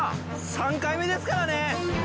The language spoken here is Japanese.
３回目ですからね。